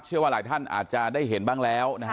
เชื่อว่าหลายท่านอาจจะได้เห็นบ้างแล้วนะฮะ